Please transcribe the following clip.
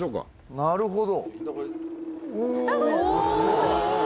なるほど。